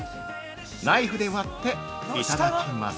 ナイフで割って、いただきます。